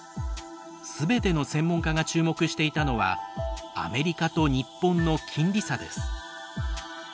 すべての専門家が注目していたのはアメリカと日本の金利差です。